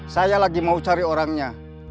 saya lagi mau cari orangnya